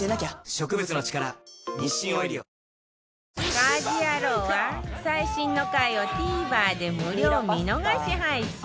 『家事ヤロウ！！！』は最新の回を ＴＶｅｒ で無料見逃し配信